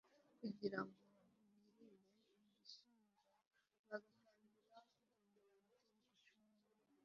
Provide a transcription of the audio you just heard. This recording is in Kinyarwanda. kugira ngo birinde igishinja, bagatangira kugomera amategeko cumi y'imana